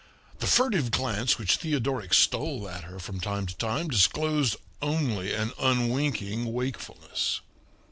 The furtive glance which Theodoric stole at her from time to time disclosed only an unwinking wakefulness.